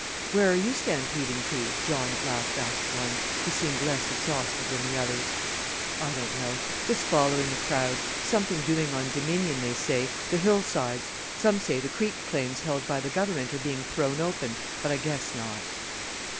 "Where are you stampeding to?" John at last asked one, who seemed less exhausted than the others. "I don't know; just following the crowd. Something doing on Dominion, they say, the hillsides. Some say the creek claims held by the Government are being thrown open, but I guess not."